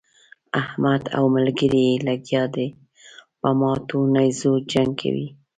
احمد او ملګري يې لګيا دي په ماتو نېزو جنګ کوي.